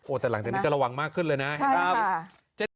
โอ้แต่หลังจากนี้จะระวังมากขึ้นเลยนะครับจ๊ะนี่ค่ะใช่ค่ะ